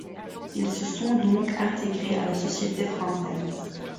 Ils se sont donc intégrés à la société française.